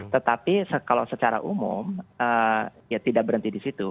tetapi kalau secara umum ya tidak berhenti di situ